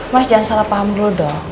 mas jangan salah paham dulu dong